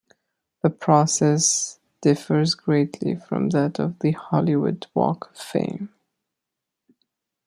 The process differs greatly from that of the Hollywood Walk of Fame.